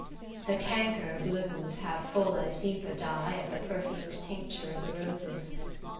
The canker blooms have full as deep a dye As the perfumed tincture of the roses.